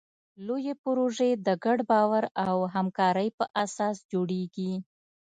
لویې پروژې د ګډ باور او همکارۍ په اساس جوړېږي.